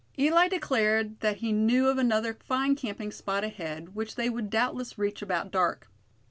Eli declared that he knew of another fine camping spot ahead, which they would doubtless reach about dark.